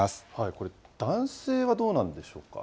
これ、男性はどうなるんでしょうか。